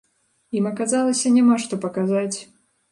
Ім аказалася няма што паказаць.